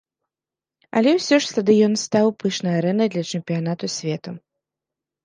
Але ўсё ж стадыён стаў пышнай арэнай для чэмпіянату свету.